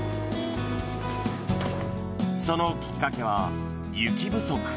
そのきっかけは雪不足。